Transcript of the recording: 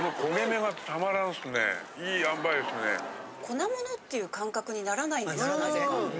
粉物っていう感覚にならないですね。